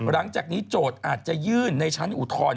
หลังจากนี้โจทย์อาจจะยื่นในชั้นอุทธรณ์